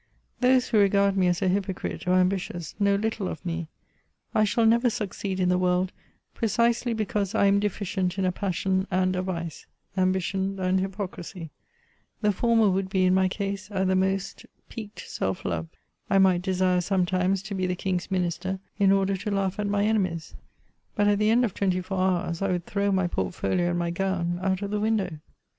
Those who regard me as a hypocrite, or ambi tious, know Uttle of me. I shall never succeed in the world, precisely because I am deficient in a passion and a vice — ambition and hypocrisy. The former would be, in my case, at the most piqued self love. I might desire sometimes to be the King^s minister, in order to laugh at my enemies ; but at the end of twenty four hours, I would throw my portfoho and my gown out of the window.